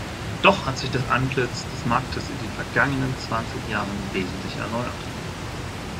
Doch hat sich das Antlitz des Marktes in den vergangenen zwanzig Jahren wesentlich erneuert.